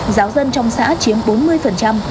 giáo dân trong xã chiếm bốn mươi